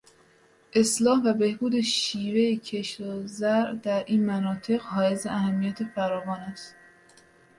اصلاح و بهبود شیوهٔ کشت و زرع در این مناطق حائز اهمیت فراوان است.